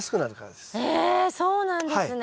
えそうなんですね。